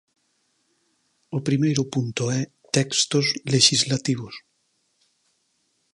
O primeiro punto é textos lexislativos.